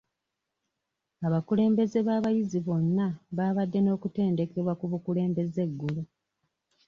Abakulembeze b'abayizi bonna baabadde n'okutendekwa ku bukulembeze eggulo.